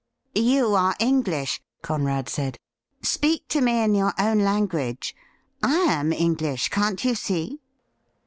' You are English,' Conrad said ;' speak to me in your own language. I am English — can't you see